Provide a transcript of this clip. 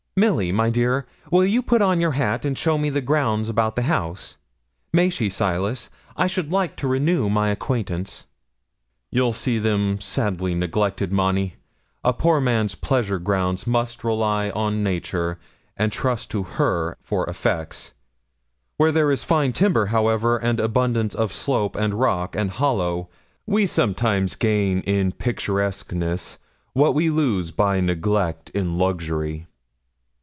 'Milly, my dear, will you put on your hat and show me the grounds about the house? May she, Silas? I should like to renew my acquaintance.' 'You'll see them sadly neglected, Monnie. A poor man's pleasure grounds must rely on Nature, and trust to her for effects. Where there is fine timber, however, and abundance of slope, and rock, and hollow, we sometimes gain in picturesqueness what we lose by neglect in luxury.'